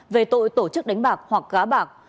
về tội tổ chức đánh bạc hoặc gá bạc